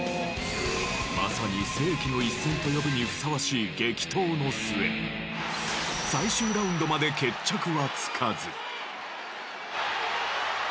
まさに世紀の一戦と呼ぶにふさわしい激闘の末最終ラウンドまで決着はつかず。